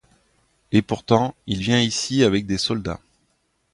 Et pourtant, il vient ici avec des soldats.